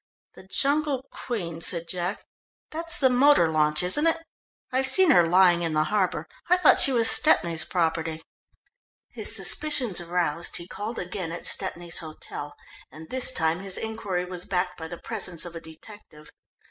"The Jungle Queen," said Jack, "that's the motor launch, isn't it? I've seen her lying in the harbour. I thought she was Stepney's property." His suspicions aroused, he called again at Stepney's hotel, and this time his inquiry was backed by the presence of a detective.